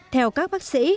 theo các bác sĩ